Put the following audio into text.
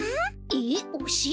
えっおしろ？